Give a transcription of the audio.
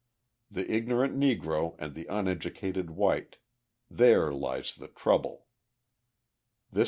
The ignorant Negro and the uneducated white; there lies the trouble!